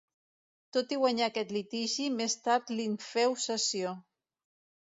Tot i guanyar aquest litigi, més tard li'n féu cessió.